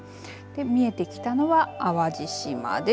見えてきたのは淡路島です。